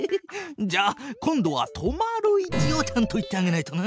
じゃあ今度は止まる位置をちゃんと言ってあげないとな。